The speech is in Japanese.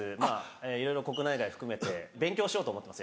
いろいろ国内外含めて勉強しようと思ってます